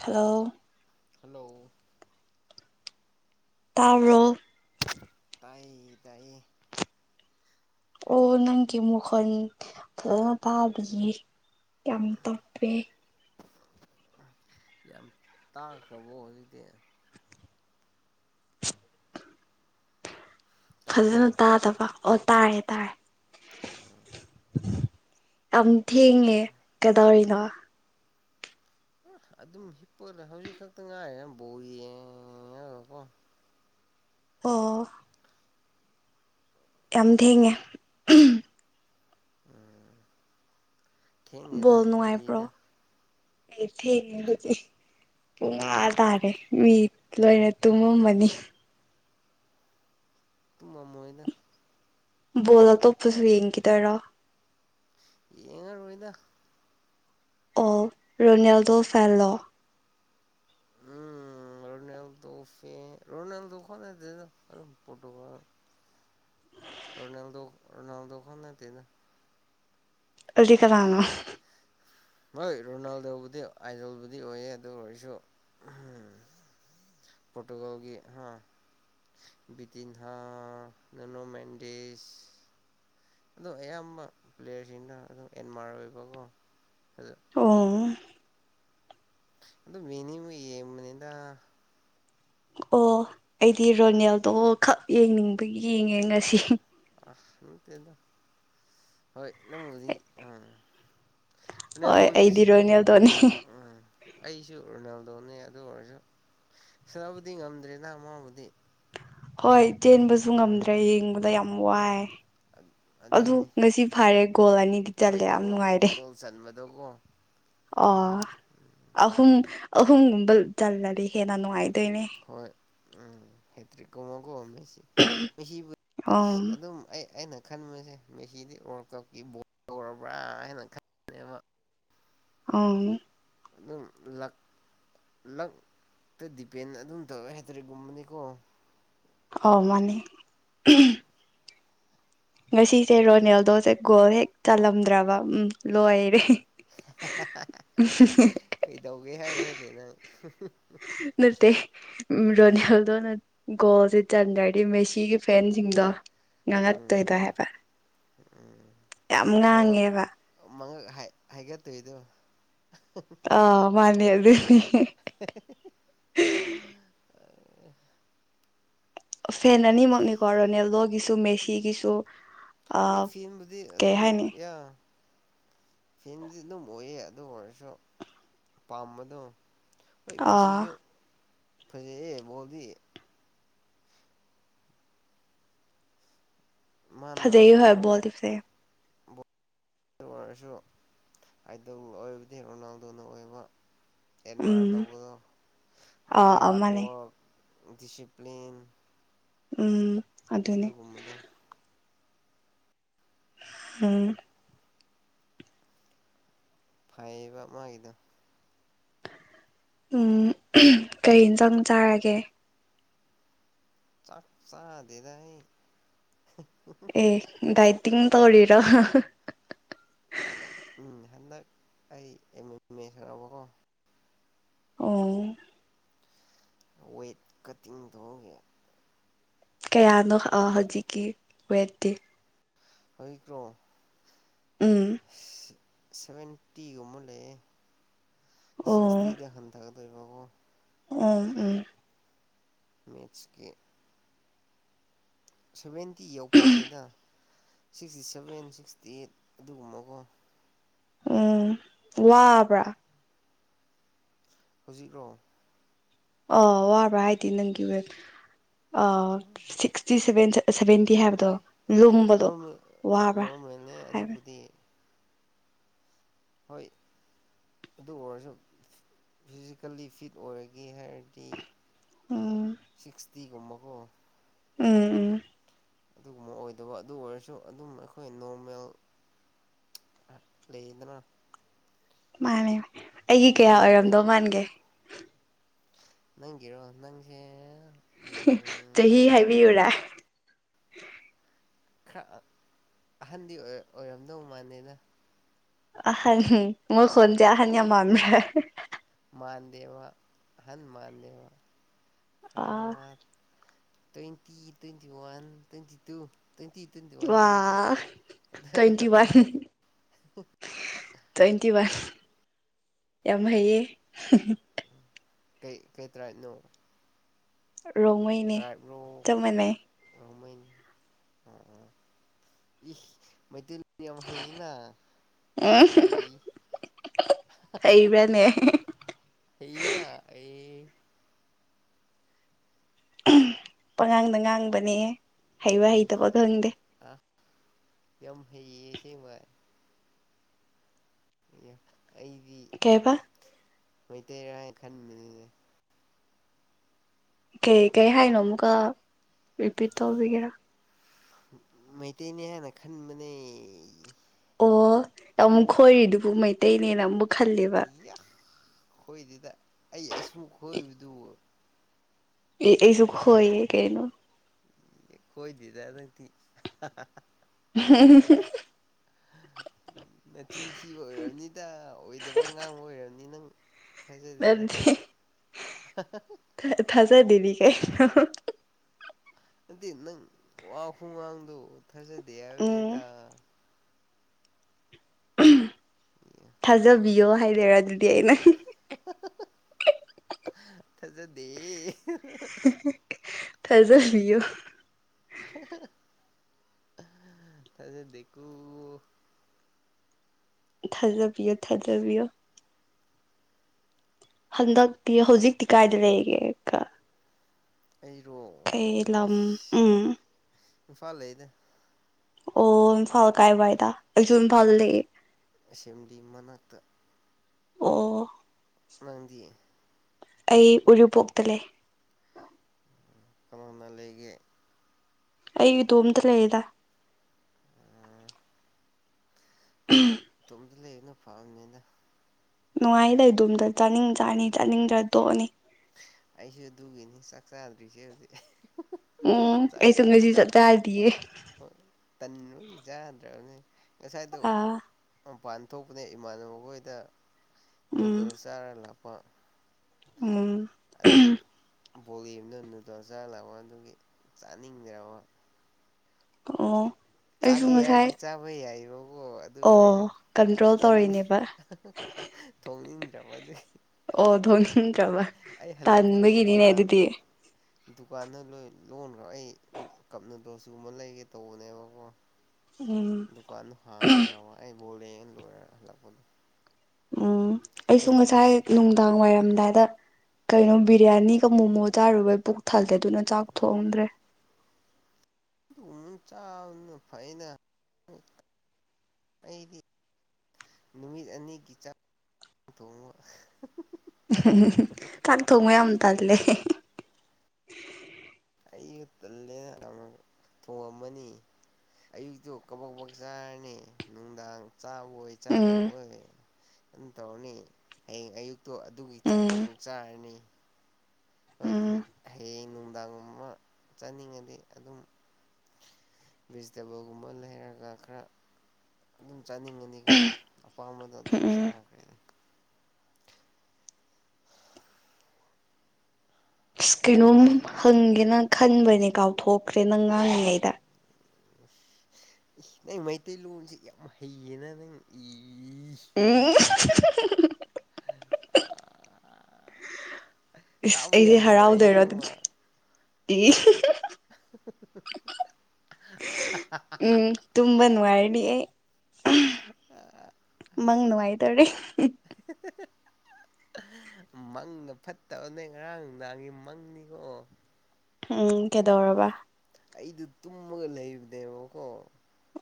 hello hello ꯇꯥꯎꯔꯣ ꯇꯥꯏ ꯇꯥꯏ ꯑꯣ ꯅꯪꯒꯤ ꯃꯈꯣꯟ ꯐꯖꯅ ꯇꯥꯕꯤꯌꯦ ꯌꯥꯝ ꯇꯞꯄꯦ ꯌꯥꯝ ꯇꯥꯈ꯭ꯔꯕꯣ ꯍꯧꯖꯤꯛꯇꯗꯤ ꯐꯖꯅ ꯇꯥꯕ꯭ꯔꯣ ꯇꯥꯗꯕ ꯑꯣ ꯇꯥꯔꯦ ꯇꯥꯔꯦ ꯌꯥꯝ ꯊꯦꯡꯉꯦ ꯀꯗꯥꯧꯔꯤꯅꯣ ꯑꯗꯨꯝ ꯍꯤꯞꯄꯗ ꯍꯧꯖꯤꯛ ꯈꯛꯇ ꯉꯥꯏꯔꯤ ꯕꯣꯜ ꯌꯦꯡꯉꯢ ꯑꯣ ꯌꯥꯝ ꯊꯦꯡꯉꯦ ꯎꯝ ꯊꯦꯡꯗꯦꯗ ꯕꯣꯜ ꯅꯨꯡꯉꯥꯏꯕ꯭ꯔꯣ ꯉꯜꯂꯤꯗ ꯑꯩ ꯊꯦꯡꯗꯤ ꯄꯨꯡ ꯑ ꯇꯥꯔꯦ ꯃꯤ ꯂꯣꯏꯅ ꯇꯨꯝꯃꯝꯃꯅꯤ ꯇꯨꯝꯃꯝꯃꯣꯏꯗ ꯕꯣꯜ ꯑꯇꯣꯞꯄꯁꯨ ꯌꯦꯡꯈꯤꯗꯣꯏꯔꯣ ꯌꯦꯉ ꯔꯣꯏꯗ ꯑꯣ ꯔꯣꯅꯥꯜꯗꯣ ꯐꯦꯜꯂꯣ ꯎꯝ ꯔꯣꯅꯦꯜꯗꯣ ꯐ ꯔꯣꯅꯥꯜꯗꯣ ꯀꯅ ꯇꯅ ꯄꯣꯇꯨꯒ ꯔꯣꯅꯥꯜꯗꯣ ꯔꯣꯅꯥꯜꯗꯣ ꯈꯛ ꯅꯠꯇꯦꯗ ꯑꯗꯨꯗꯤ ꯀꯅꯅꯣ ꯍꯣꯏ ꯔꯣꯅꯥꯜꯗꯣꯕꯨꯗꯤ ꯑꯥꯏꯗꯜꯕꯨꯗꯤ ꯑꯣꯏꯌꯦ ꯑꯗꯨ ꯑꯣꯏꯔꯁꯨ ꯄꯣꯔꯇꯨꯒꯜꯒꯤ ꯍꯥ ꯕꯤꯇꯤꯟꯍꯥ ꯅꯅꯣ ꯃꯦꯟꯗꯤꯁ ꯑꯣ ꯑꯌꯥꯝꯕ ꯄ꯭ꯂꯦꯌꯔꯁꯤꯡꯅ ꯑꯗꯨꯝ ꯑꯦꯟꯃꯥꯔꯣꯏꯕꯀꯣ ꯑꯣ ꯑꯣ ꯌꯦꯡꯅꯤꯡꯕꯩ ꯌꯦꯡꯕꯅꯤꯗ ꯑꯣ ꯑꯩꯗꯤ ꯔꯣꯅꯦꯜꯗꯣ ꯈꯞ ꯌꯦꯡꯅꯤꯡꯕꯒꯤ ꯌꯦꯡꯉꯦ ꯉꯁꯤ ꯑꯁ ꯅꯠꯇꯦꯗ ꯍꯣꯏꯅ ꯃꯗꯤ ꯑ ꯍꯣꯏ ꯑꯗꯨꯕꯨꯗꯤ ꯑꯩꯗꯤ ꯔꯣꯅꯦꯜꯗꯣꯅꯦ ꯑꯩꯁꯨ ꯔꯣꯅꯥꯜꯗꯣ ꯇꯧꯅꯦ ꯑꯗꯨ ꯑꯣꯏꯔꯁꯨ ꯁꯕꯨꯗꯤ ꯉꯝꯗ꯭ꯔꯦ ꯅꯍꯥꯛ ꯃꯥꯕꯨꯗꯤ ꯍꯣꯏ ꯆꯦꯟꯕꯁꯨ ꯉꯝꯗ꯭ꯔꯦ ꯎꯝ ꯌꯦꯡꯕꯗ ꯌꯥꯝ ꯋꯥꯏ ꯑꯗꯨ ꯑꯗꯨꯅꯤ ꯉꯁꯤ ꯐꯔꯦ ꯒꯣꯜ ꯑꯅꯤꯗꯤ ꯆꯜꯂꯦ ꯌꯥꯝ ꯅꯨꯡꯉꯥꯏꯔꯦ ꯗꯉꯣ ꯑꯣ ꯑꯍꯨꯝ ꯑꯍꯨꯝ ꯑꯍꯨꯝꯒꯨꯝꯕ ꯆꯜꯂꯗꯤ ꯍꯦꯟꯅ ꯅꯨꯡꯉꯥꯏ ꯇꯅꯦ ꯍꯣꯏ ꯎꯝ ꯍꯦꯇ꯭ꯔꯤ ꯀꯃꯒꯝꯃꯤ ꯃꯁꯤꯕꯨ ꯑꯁ ꯑꯝ ꯑꯗꯨꯝ ꯑꯩ ꯑꯩꯅ ꯈꯟꯕꯁꯦ ꯃꯦꯁꯤꯗꯤ ꯋꯥꯔꯜ ꯀꯞꯀꯤ ꯕꯣꯜ ꯇꯧꯔꯕ꯭ꯔꯥ ꯍꯥꯏꯅ ꯈꯟꯕꯅꯦꯕ ꯑ ꯑꯗꯨꯝ ꯂ ꯂꯛꯇ ꯗꯤꯄꯦꯟ ꯑꯗꯨꯝ ꯇꯧꯦ ꯍꯥꯏꯇꯥꯔꯦꯒꯨꯝꯕꯅꯤꯀꯣ ꯀꯃꯅꯦ ꯉꯁꯤꯁꯦ ꯔꯣꯅꯦꯜꯗꯣꯁꯦ ꯒꯣꯜ ꯍꯦꯛ ꯆꯜꯂꯝꯗ꯭ꯔꯕ ꯎꯝ ꯂꯣꯏꯔꯦ ꯀꯩꯗꯧꯒꯦ ꯍꯥꯏꯕ꯭ꯔꯅꯤ ꯅꯪ ꯅꯠꯇꯦ ꯎ ꯔꯣꯅꯦꯜꯗꯣꯅ ꯒꯣꯜꯁꯦ ꯆꯟꯗ꯭ꯔꯗꯤ ꯃꯦꯁꯤꯒꯤ ꯐꯦꯟꯁꯤꯡꯗꯣ ꯉꯉ ꯎꯝ ꯇꯣꯏꯗ ꯍꯥꯏꯕ ꯎꯝ ꯌꯥꯝ ꯉꯥꯡꯉꯦꯕ ꯃꯉ ꯍꯥꯏꯩꯒꯦꯠꯇ ꯏꯗꯨ ꯑꯥ ꯃꯥꯅꯤ ꯑꯗꯨꯅꯤ ꯐꯦꯟ ꯑꯅꯤꯃꯛꯅꯤꯀꯣ ꯔꯣꯅꯦꯜꯗꯣ ꯒꯤꯁꯨ ꯃꯦꯁꯤꯒꯤꯁꯨ ꯍꯣꯏ ꯑꯥ ꯐꯦꯟꯕꯨꯗꯤ ꯀꯩ ꯑꯗꯨꯝ ꯍꯥꯏꯅꯤ ꯐꯦꯟꯗꯤ ꯑꯗꯨꯝ ꯑꯣꯏꯌꯦ ꯑꯗꯨ ꯑꯣꯏꯔꯁꯨ ꯄꯥꯝꯕꯗꯣ ꯍꯣꯏ ꯑꯥ ꯃꯦꯁꯤꯁꯨ ꯐ ꯃꯣꯗꯤ [unintelligible] ꯃꯥꯅ ꯐꯖꯩ ꯕꯣꯜ ꯍꯕꯣꯗꯤꯞꯁꯦ ꯑꯗꯨ ꯑꯣꯏꯔꯁꯨ ꯑꯗꯧ ꯑꯣꯏꯕꯗꯤ ꯔꯣꯅꯥꯜꯗꯨꯣꯅ ꯑꯣꯏꯕ ꯑꯦꯠꯃꯥꯏꯌꯔ ꯎꯝ ꯇꯧꯕꯗꯣ ꯑꯥ ꯃꯣꯏꯒꯤ ꯑꯥ ꯍꯥꯔꯠ ꯃꯥꯅꯦ ꯋꯥꯔꯛ ꯗꯤꯁꯤꯄ꯭ꯂꯤꯟ ꯎꯝ ꯑꯗꯨꯅꯦ ꯑꯗꯨꯒꯨꯝꯕꯗꯣ ꯎꯝ ꯐꯩꯕ ꯃꯥꯒꯤꯗ ꯎꯝ ꯀꯔꯤ ꯆꯪ ꯆꯥꯔꯒꯦ ꯆꯥꯛꯆꯥꯥ ꯑꯗꯨꯦꯗ ꯑꯦ ꯗꯗꯥꯩꯇ ꯇꯧ ꯋꯥꯔꯤꯔ [inaudible] ꯎꯝ ꯎꯝ ꯍꯟꯗꯛ ꯑꯩꯖꯔꯕꯀꯣ ꯑꯣ ꯋꯦꯠ ꯀꯇꯤꯡꯗꯨꯒ ꯀꯌꯥꯅꯣ ꯍꯧꯖꯤꯛꯀꯤ ꯑꯣꯏꯦꯠꯇ ꯍꯧꯈ꯭ꯔꯣ ꯎꯝ [unintelligible] ꯁꯕꯦꯟꯇꯤꯒꯨꯝꯃ ꯂꯩꯦ ꯑꯣ ꯁꯤꯁꯇꯤꯗꯅ ꯊꯒꯦ ꯂꯩꯣꯏꯕꯕꯨꯨ ꯎꯝ ꯎꯝ ꯃꯦꯆꯀꯤ ꯁꯨꯚꯦꯟ ꯤ ꯌꯧꯐꯗꯦꯗ ꯁꯤꯛꯁꯇꯤ ꯁꯚꯦꯟ ꯁꯤꯛꯁꯇꯤ ꯑꯩꯠ ꯑꯗꯨꯒꯨꯝꯕꯀꯣ ꯎꯝ ꯋꯥꯕ꯭ꯔꯥ ꯍꯧꯖꯤꯛ꯭ꯔꯣ ꯑ ꯋꯥꯕ꯭ꯔꯥ ꯍꯥꯏꯗꯤꯦ ꯅꯪꯒꯤ ꯑ ꯁꯤꯛꯁꯇꯤ ꯁꯦꯚꯦꯟ ꯁꯚꯦꯟꯇꯤ ꯍꯥꯏꯕꯗꯣ ꯑꯩ ꯂꯨꯝꯕꯗꯣ ꯅꯣꯔꯃꯦꯜ ꯋꯥꯕ꯭ꯔꯥ ꯅꯣꯔꯃꯦꯜꯅꯦ ꯍꯥꯏꯕ ꯑꯗꯨꯕꯨꯗꯤ ꯍꯣꯏ ꯑꯗꯨ ꯑꯣꯏꯔꯁꯨ ꯐꯤꯖꯤꯀꯦꯜꯂꯤ ꯐꯤꯠ ꯑꯣꯏꯔꯒꯦ ꯍꯥꯏꯔꯗꯤ ꯎꯝ ꯁꯤꯁ ꯇꯤꯒꯨꯝꯃꯒꯣ ꯎꯝ ꯎꯝ ꯑꯗꯨꯒꯨꯝꯕ ꯑꯣꯏꯗꯕ ꯑꯗꯨ ꯑꯣꯏꯔꯁꯨ ꯑꯗꯨꯝ ꯑꯩꯈꯣꯏ ꯅꯣꯔꯃꯦꯜ ꯂꯩꯗꯅ ꯃꯥꯅꯦ ꯑꯩꯒꯤ ꯑꯗꯨꯝ ꯀꯌꯥ ꯑꯣꯏꯔꯝꯗꯧ ꯃꯥꯟꯒꯦ ꯅꯪ ꯀꯔꯣ ꯅꯪꯁꯤꯦ ꯆꯍꯤ ꯍꯥꯏꯕꯤꯌꯨꯔꯦ ꯈꯔ ꯑꯍꯟꯗꯤ ꯑꯣꯏꯔꯝꯗꯧ ꯃꯥꯥꯟꯂꯅ ꯑꯍꯅꯤ ꯃꯣꯏ ꯈꯟꯗꯤꯦ ꯑꯍꯥꯅꯤ ꯌꯥꯝ ꯃꯝꯥ ꯃꯥꯟꯗꯦꯋꯥ ꯍꯟꯨꯃꯥꯟꯗꯦꯋꯥ ꯑ twenty twenty one twenty two twenty ꯇ꯭ꯋꯇꯤ ꯋꯥꯟ ꯋꯥ ꯇꯤꯟꯇꯣ ꯑꯗꯨ ꯇ꯭ꯋꯦꯟꯇꯤ ꯋꯥꯟ ꯅꯃ ꯇ꯭ꯋꯦꯟꯇꯤ ꯋꯥꯟ ꯌꯥꯝ ꯍꯩꯌꯦ ꯀꯩ ꯀꯩ ꯇ꯭ꯔꯥꯅꯣ ꯔꯣꯡꯉꯩꯅꯦ ꯆꯞ ꯃꯥꯟꯅꯩ ꯏ ꯔꯣꯡꯃꯩꯅꯤ ꯃꯩꯇꯩ ꯍꯤꯅꯥ ꯎꯝ ꯑꯩ ꯍꯩꯕ꯭ꯔꯥꯅꯦ ꯍꯤꯅꯥ ꯑꯦ ꯄꯉꯥꯡꯗ ꯉꯥꯡꯕꯅꯦ ꯍꯩꯕ ꯏ ꯍꯩꯇꯕ ꯈꯪꯗꯦ ꯑ ꯌꯥꯝ ꯍꯁꯦ ꯥꯏ ꯌꯦ ꯀꯩꯕ ꯃꯩꯇꯩꯔ ꯍꯥꯏ ꯈꯟꯕꯅꯤ ꯀꯩ ꯀꯩ ꯍꯥꯏꯅꯣ ꯑꯃꯨꯛꯀ ꯔꯤꯄꯤꯠ ꯇꯧꯕꯤꯒꯦꯔꯥ ꯃꯩꯇꯩꯅꯦ ꯍꯥꯏ ꯈꯥꯟ ꯃꯅꯤ ꯑꯣ ꯑꯃꯨꯛ ꯈꯣꯏꯔꯤꯗꯨꯕꯨ ꯃꯩꯇꯩꯅꯦꯅ ꯑꯃꯨꯛ ꯈꯜꯂꯦꯕ [unintelligible] ꯍꯣꯏꯗꯤꯗ ꯑꯌꯦꯁ ꯊꯨ ꯈꯣꯏꯗꯨ ꯑꯩꯁꯨ ꯍꯣꯏꯌꯦ ꯀꯩꯅ ꯀꯣꯏꯗꯗ ꯅ [inaudible] ꯅꯆꯤꯟ ꯊꯤꯕ ꯑꯣꯏꯔꯕꯝꯅꯤꯗ ꯑꯣꯏꯗꯕ ꯉꯥꯡꯕ ꯑꯣꯏꯔꯕꯅꯤ ꯅꯪ ꯊꯥꯖꯗꯦꯗ ꯃꯗꯤ ꯊ ꯖꯤꯗꯤ ꯀꯩ ꯑꯗꯤ ꯅꯪ ꯋꯥꯈꯨꯥꯡꯗ ꯊꯖꯗꯦ ꯎꯝ ꯍꯥꯏꯕꯅꯤꯗ ꯊꯥꯖꯕꯤꯌꯣ ꯍꯥꯏꯗꯔ ꯑꯗꯨꯗꯤ ꯑꯩꯅ [inaudible] ꯊꯖꯗꯦ ꯐꯖꯜ ꯂꯣ ꯊꯥꯖꯗꯦꯀꫭ ꯊꯖ ꯄꯌꯣ ꯊꯖ ꯄꯌꯣ ꯍꯟꯗꯛꯇꯤ ꯍꯧꯖꯤꯛꯇꯤ ꯀꯥꯏꯗ ꯂꯩꯒꯦ ꯀ ꯑꯩꯔꯣ ꯀꯩꯂꯝꯝ ꯎꯝ ꯐꯂ ꯂꯩꯗ ꯑꯣ ꯏꯝ ꯐꯥꯜ ꯀꯥꯏ ꯥꯏꯗꯥ ꯑꯆ ꯐꯜ ꯂꯩ ꯁꯤꯝꯗꯤ ꯃꯅꯥꯛꯇ ꯑꯣ ꯃꯥꯪꯗꯤ ꯑꯩ ꯎꯔꯤꯄꯣꯛꯇ ꯂꯩꯦ ꯀꯃꯥꯡ ꯃꯥ ꯂꯩꯒꯦ ꯑꯩ ꯏꯗꯣꯝꯇ ꯂꯩꯔꯤꯗ ꯗ ꯂꯩꯅ ꯐꯥꯝꯅꯦ ꯅꯨꯡꯉꯥꯏ ꯂꯩ ꯑꯗꯨꯣꯝꯗ ꯆꯥꯅꯤꯡ ꯆꯥꯅꯤ ꯆꯥꯅꯤꯡꯗ꯭ꯔ ꯇꯣꯛꯑꯅꯤ ꯑꯩꯁꯨ ꯑꯗꯨꯒꯤꯅꯤ ꯆꯥꯛ ꯆꯥꯗ꯭ꯔꯤꯁꯦ ꯍꯧꯖꯤꯛ ꯎꯝ ꯆꯥꯛ ꯑꯩꯁꯨ ꯉꯁꯤ ꯆ ꯆꯗꯌꯦ ꯇꯟ ꯂ ꯆꯥꯗ꯭ꯔꯕꯅꯦ ꯉꯁꯥꯏꯗ ꯑꯥ ꯄ ꯊꯣꯛꯄꯅꯦ ꯏꯃꯥꯟꯅꯕ ꯈꯣꯏꯗ ꯎꯝ ꯅꯨꯗꯜꯁꯔꯦꯂ ꯄ ꯎꯝ ꯕꯣꯂꯤꯅ ꯇꯧ ꯆꯥꯂꯕ ꯑꯗꯨꯒꯤ ꯆꯥꯅꯤꯡꯗ꯭ꯔꯕ ꯑꯣ ꯑꯩꯁꯨ ꯆꯥꯒꯤ ꯉꯁꯥꯏ ꯍꯥꯏꯗꯤ ꯆꯥꯕ ꯌꯥꯏ ꯑꯣ ꯀꯟꯇ꯭ꯔꯣꯜ ꯆꯥꯅꯤꯡ ꯇꯧꯔꯤꯅꯦꯕ ꯃꯗꯤ ꯑꯣ ꯑꯗꯨꯣꯅꯤꯡ ꯀꯕ ꯍꯜꯂꯛꯄꯗꯣ ꯇꯥꯟꯕꯒꯤꯅꯤꯅꯦ ꯗꯨꯀꯥꯟ ꯑꯗꯨꯗꯤ ꯗꯨꯀꯥꯟꯗ ꯂꯣꯏ ꯂꯣꯟꯈ꯭ꯔꯣ ꯑꯩ ꯀꯞꯅꯗꯣ ꯁꯤꯒꯨꯝꯕ ꯂꯩꯒꯦ ꯇꯧꯕꯅꯦꯕꯀꯣ ꯎꯝ ꯗꯨꯀꯥꯟ ꯍꯉꯝꯗ꯭ꯔꯕ ꯕꯣꯜ ꯌꯦꯡ ꯣꯏꯔ ꯍꯜꯛꯄꯗ ꯎꯝ ꯑꯩꯁꯨ ꯉꯁꯥꯏ ꯅꯨꯡꯗꯥꯡ ꯋꯥꯏꯔꯝ ꯔꯝꯗꯥꯏꯗ ꯀꯩꯅꯣ ꯕꯤꯔꯌꯥꯅꯤꯒ ꯃꯣꯃꯣ ꯆꯥꯔꯨꯕꯩ ꯄꯨꯛ ꯊꯜꯂꯦ ꯑꯗꯨꯅ ꯆꯥꯛ ꯊꯣꯡꯗ꯭ꯔꯦ ꯃ ꯆꯥꯎꯅ ꯐꯅ ꯑꯩꯗꯤ ꯅꯨꯃꯤꯠ ꯑꯅꯤꯒꯤ ꯆ ꯊꯣꯡꯕ ꯆꯥꯛ ꯊꯣꯡꯕ ꯌꯥꯝ ꯇꯜꯂꯦ ꯑꯩ ꯇꯜꯂꯦꯅꯛ ꯊꯣꯡꯑꯝꯃꯅꯤ ꯑꯌꯨꯛꯇꯨ ꯀꯕꯛ ꯕꯛ ꯆꯥꯔꯅꯤ ꯅꯨꯡꯗꯥꯡ ꯆꯥ ꯑꯣꯏꯣꯏ ꯆꯥꯗ ꯎꯝ ꯑꯣꯏ ꯑꯗꯨꯝ ꯇꯧꯔꯅꯤ ꯍꯌꯦꯡ ꯑꯌꯨꯛꯇꯣ ꯑꯗꯨꯒꯤ ꯆꯥꯛꯇꯣ ꯎꯝ ꯑꯃꯨꯛ ꯆꯥꯔꯅꯤ ꯍꯣꯏ ꯎꯝ ꯎꯝ ꯍꯌꯦꯡ ꯅꯨꯡꯗꯥꯡꯒꯨꯝꯕ ꯆꯥꯅꯤꯡꯉꯗꯤ ꯑꯗꯨꯝ ꯚꯦꯖꯤꯇꯦꯕꯜꯒꯨꯝꯕ ꯂꯩꯔꯒ ꯈꯔ ꯑꯗꯨꯝ ꯆꯥꯅꯤꯡꯉꯅꯤꯀꯣ ꯑꯄꯥꯝꯕꯗꯣ ꯑꯗꯨꯝ ꯎꯝ ꯆꯥꯈ꯭ꯔꯦ ꯑꯁ ꯀꯩꯅꯣꯝ ꯍꯪꯒꯦꯅ ꯈꯟꯕꯅꯦ ꯀꯥꯎꯊꯣꯛꯈ꯭ꯔꯦꯅ ꯉꯥꯡꯉꯤꯉꯩꯗ ꯅꯪ ꯃꯩꯇꯩꯂꯣꯟꯁꯤ ꯌꯥꯝ ꯍꯩꯌꯦꯅ ꯅꯪ ꯏ ꯎꯝ ꯏꯁꯁ ꯇꯥꯕ ꯑꯩꯁꯦ ꯌꯥꯝ ꯅꯨꯡꯉꯥꯏ ꯍꯔꯥꯎꯗꯣꯏꯔꯣ ꯑꯗꯨ ꯑꯁꯦꯡꯕ ꯀ ꯎꯝ ꯇꯨꯝꯕ ꯅꯉ ꯑꯦ [inaudible] ꯃꯪ ꯅꯨꯡꯉꯥꯏꯇꯔꯤꯦ ꯃꯪꯗ ꯐꯠꯇꯕꯅꯦ ꯉꯔꯥꯡ ꯅꯨꯡꯗꯥꯡꯒꯤ ꯃꯪꯅꯤꯀꯣ ꯎꯝ ꯀꯦꯗꯧꯔꯕ ꯑꯩꯗꯨ ꯇꯨꯝꯃꯒ ꯂꯩꯕꯅꯦꯕꯀꯣ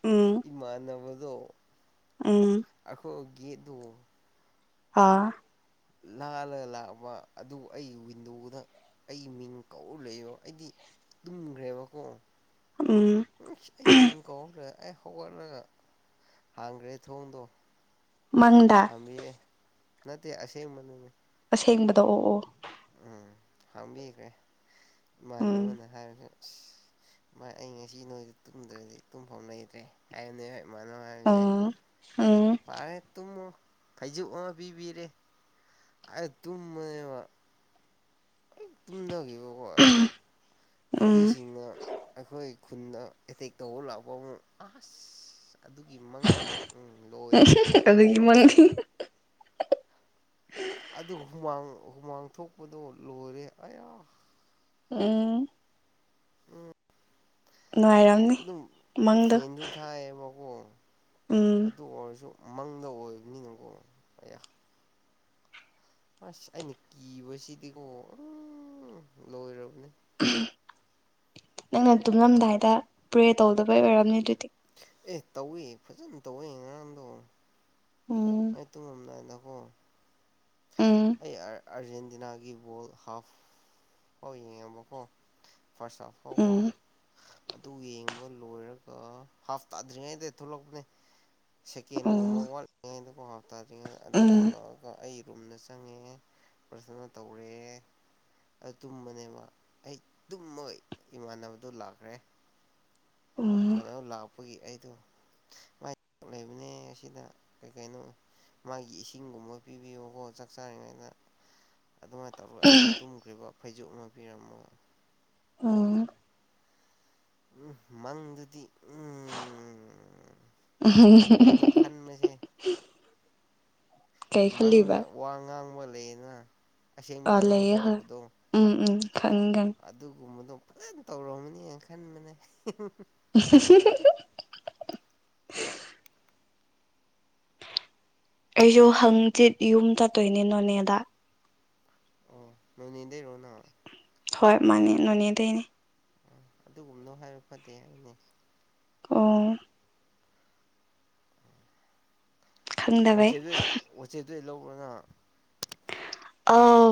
ꯎꯝ ꯏꯃꯅꯅꯕ ꯑꯣ ꯎꯝ ꯑꯈꯣ ꯒꯤꯠ ꯑꯗꯨ ꯑꯥ ꯂꯥꯜꯂꯒ ꯂꯥꯛꯄ ꯑꯗꯨ ꯑꯩ ꯋꯤꯟꯗꯣꯗ ꯑꯩ ꯃꯤꯡ ꯀꯧꯔ ꯂꯩꯕꯣ ꯑꯩꯗꯤ ꯇꯨꯝꯈ꯭ꯔꯦꯕꯀꯣ ꯎꯝ ꯑꯩ ꯃꯤꯡꯒꯣꯔ ꯑꯩ ꯍꯧꯒꯠꯂꯒ ꯍꯥꯡꯈ꯭ꯔꯦ ꯊꯣꯡꯗꯣ ꯃꯥꯡꯗ ꯍꯥꯡꯕꯤꯔꯦ ꯅꯠꯇꯦ ꯑꯁꯦꯡꯕ ꯃ ꯑꯁꯦꯡꯕꯗ ꯑꯣ ꯑꯣ ꯍꯕꯤ ꯀꯦ ꯃꯥꯟꯅ ꯎꯝ ꯃꯥꯅ ꯍꯥꯏꯁꯦ ꯃꯥ ꯑꯩ ꯉꯁꯤ ꯅꯣꯏꯗ ꯇꯨꯝꯗ꯭ꯔꯗꯤ ꯇꯨꯝꯐꯝꯥꯎ ꯂꯩꯇ꯭ꯔꯦ ꯍꯥꯏꯕꯅꯦ ꯑ ꯑ ꯈꯩꯖꯣꯛ ꯑꯃ ꯄꯤꯕꯤꯔꯦ ꯑ ꯇꯨꯝꯃꯅꯦꯕ ꯑꯩ ꯇꯨꯝꯅꯈꯤꯕꯀꯣ ꯎꯝ ꯀꯨꯀꯤꯁꯤꯡꯅ ꯑꯩꯈꯣꯏ ꯈꯨꯟꯅ ꯑꯦꯇꯦꯛ ꯇꯧꯕ ꯂꯥꯛꯄ ꯑꯃꯨꯛ ꯑꯁ ꯑꯗꯨꯒꯤ ꯃꯪꯗꯤ ꯎꯝ ꯂꯣꯏꯔꯦ ꯃꯅꯤ ꯑꯗꯨ ꯍꯨꯃꯥꯡ ꯍꯨꯃꯥꯡ ꯊꯣꯛꯄꯗꯣ ꯂꯣꯏꯔꯦ ꯑꯌꯥ ꯎꯝ ꯎꯝ ꯅꯨꯡꯉꯥꯏꯔꯝꯅꯤ ꯑꯗꯨ ꯑꯗꯨ ꯃꯪꯗꯣ ꯐꯦꯗꯨ ꯊꯥꯏ ꯃꯈ ꯀꯣ ꯎꯝ ꯑꯗꯨ ꯑꯣꯏꯔꯁꯨ ꯃꯪꯗ ꯑꯣꯏꯕꯅꯤꯅꯪꯀꯣ ꯑꯌꯥ ꯑꯁ ꯑꯩꯅ ꯀꯤꯕꯁꯤꯗꯤꯀꯣ ꯎ ꯂꯣꯏꯔꯕꯅꯦ ꯅꯪꯅ ꯇꯨꯝꯂꯝꯗꯥꯏꯗ ꯄ꯭ꯔꯦ ꯇꯧꯗꯕꯩ ꯑꯣꯏꯔꯝꯅꯦ ꯑꯗꯨꯗꯤ ꯑꯦ ꯇꯧꯏ ꯐꯖꯅ ꯇꯧꯋꯦ ꯉꯔꯥꯡꯗꯣ ꯎꯝ [unintelligible] ꯎꯝ ꯑꯩ ꯑꯥꯔꯖꯦꯟꯇꯤꯅꯥꯒꯤ ꯕꯣꯜ ꯍꯥꯐ ꯐꯥꯎ ꯌꯦꯡꯉꯦꯕꯀꯣ ꯐꯁꯐꯒꯣ ꯎꯝ ꯑꯗꯨ ꯌꯦꯡꯕ ꯂꯣꯏꯔꯒ ꯍꯥꯞꯇꯥꯥꯗ꯭ꯔꯤꯉꯩꯗ ꯊꯣꯛꯂꯛꯄꯅꯦ ꯎꯝ ꯁꯦꯀꯦꯟꯒꯨꯝꯕ ꯋꯥꯠꯂꯤꯉꯩꯗꯀ ꯍꯥꯞꯇꯥꯗ꯭ꯔꯤꯉꯩꯗ ꯑꯗꯨ ꯎꯝ ꯊꯣꯛꯂꯛꯑꯒ ꯑꯩ ꯂꯨꯝꯅ ꯆꯪꯉꯦ ꯄ꯭ꯔꯊꯅ ꯇꯧꯔꯦ ꯑꯗꯨ ꯇꯨꯝꯕꯅꯦꯕ ꯑꯩ ꯇꯨꯝꯃꯣꯏ ꯏꯃꯥꯟꯅꯕꯗꯣ ꯂꯥꯛꯈ꯭ꯔꯦ ꯎꯝ [unintelligible] ꯈꯣꯏꯒꯤ ꯑꯩꯗꯣ ꯃꯥꯏ ꯂꯩꯕꯅꯦ ꯑꯁꯤꯗ ꯀꯩ ꯀꯩꯅꯣ ꯃꯥꯒꯤ ꯏꯁꯤꯡꯒꯨꯝꯕ ꯄꯤꯕꯤꯌꯣ ꯑꯣ ꯆꯥꯛ ꯆꯔꯤꯉꯩꯗ ꯑꯗꯨꯃꯥꯏꯅ ꯇꯧꯔꯒ ꯑꯩꯗꯤ ꯇꯨꯝꯈ꯭ꯔꯤꯕ ꯐꯩꯖꯣꯛꯅ ꯄꯤꯔꯝꯃꯒ ꯑ ꯎꯝ ꯃꯪꯗꯨꯗꯤ ꯎꯝ ꯑꯩꯅ ꯈꯟꯕꯁꯦ ꯀꯩ ꯈꯜꯂꯤꯕ ꯃꯪꯗ ꯋꯥ ꯉꯥꯡꯕ ꯂꯩꯅ ꯑ ꯂꯩ ꯍꯥꯏ ꯎꯝ ꯎꯝ ꯈꯪꯒꯅꯤ ꯑꯗꯨꯒꯨꯝꯕꯗꯣ ꯐꯖꯅ ꯇꯧꯔꯝꯕꯅꯦꯅ ꯈꯟꯕꯅꯦ [inaudible] ꯑꯩꯁꯨ ꯍꯪꯆꯤꯠ ꯌꯨꯝ ꯆꯠꯇꯣꯏꯅꯦ ꯅꯣꯅꯦꯗ ꯑꯣ ꯅꯣꯏꯅꯤꯗ ꯔꯣꯅ ꯍꯣꯏ ꯃꯥꯅꯦ ꯅꯣꯅꯦꯗꯅꯦ ꯑ ꯑꯗꯨꯒꯨꯝꯗꯣ ꯍꯥꯏꯕ ꯐꯗꯦ ꯍꯥꯏꯅꯦ ꯀ ꯈꯪꯗꯕꯦ ꯑꯗꯨꯩ ꯂꯧꯔꯅ ꯑ